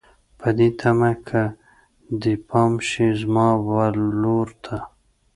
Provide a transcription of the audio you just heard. په دې تمه که دې پام شي زما ولور ته